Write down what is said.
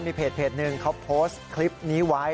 มีเพจหนึ่งเขาโพสต์คลิปนี้ไว้